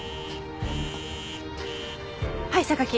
はい榊。